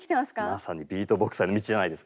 まさにビートボクサーへの道じゃないですか。